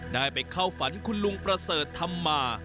ได้ไปเข้าฝันคุณลุงประเสริฐธรรมา